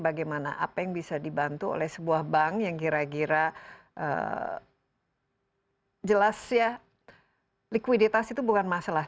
bagaimana apa yang bisa dibantu oleh sebuah bank yang kira kira jelas ya likuiditas itu bukan masalah